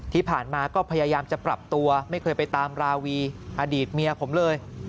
ที่ผ่านมาก็พยายามจะปรับตัวไม่เคยไปตามราวีอดีตเมียผมเลย